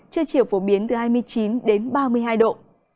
chưa chịu phổ biến từ hai mươi chín đến ba mươi hai độ